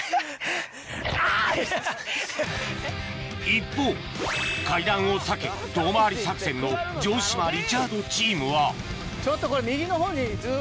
一方階段を避け遠回り作戦の城島・リチャードチームはちょっとこれ。